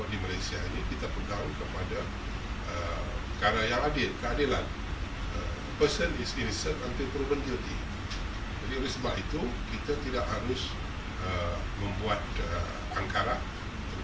dan selepas habis investigasi itu kita boleh benarkan